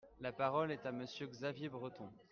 La parole est à Monsieur Xavier Breton.